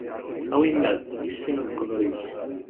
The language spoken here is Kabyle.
A winnat, issin leqder-ik!